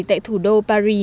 tại thủ đô paris